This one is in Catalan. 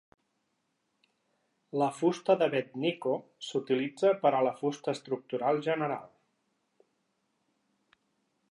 La fusta d'avet Nikko s'utilitza per a la fusta estructural general.